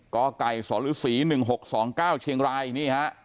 กไก่สรศรี๑๖๒๙เชียงรายนี่ฮะ